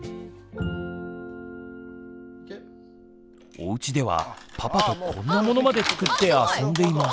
おうちではパパとこんなものまで作って遊んでいます。